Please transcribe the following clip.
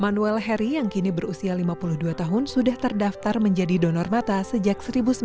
manuel harry yang kini berusia lima puluh dua tahun sudah terdaftar menjadi donor mata sejak seribu sembilan ratus sembilan puluh